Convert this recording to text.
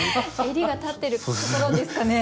襟が立ってるところですかね？